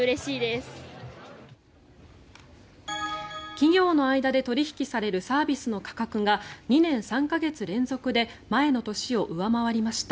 企業の間で取引されるサービスの価格が２年３か月連続で前の年を上回りました。